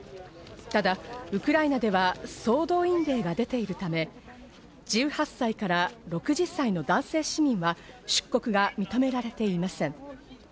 ただウクライナでは総動員令が出ているため、１８歳から６０歳の男性市民は、出国が認められていません。